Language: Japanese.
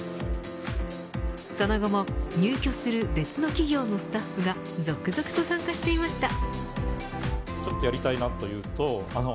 その後も入居する別の企業のスタッフが続々と参加していました。